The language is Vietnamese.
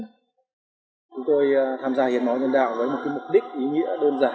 chúng tôi tham gia hiến máu nhân đạo với một mục đích ý nghĩa đơn giản